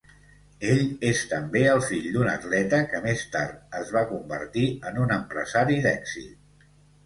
Ell és també el fill d'un atleta que més tard es va convertir en un empresari d'èxit.